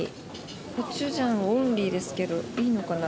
コチュジャンオンリーですけどいいのかな。